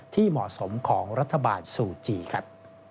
ที่เหมาะสมของรัฐบาลซูจีครับ